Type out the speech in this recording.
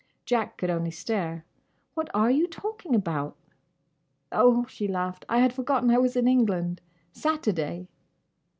Jack could only stare. "What are you talking about?" "Oh," she laughed, "I had forgotten I was in England. Saturday."